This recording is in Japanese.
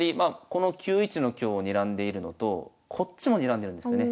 この９一の香をにらんでいるのとこっちもにらんでるんですよね。